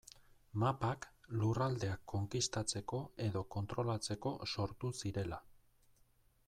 Mapak lurraldeak konkistatzeko edo kontrolatzeko sortu zirela.